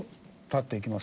立って。